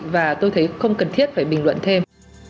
và tôi thấy không cần thiết phải bình luận thêm